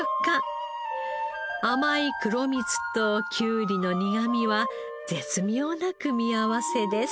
甘い黒蜜ときゅうりの苦みは絶妙な組み合わせです。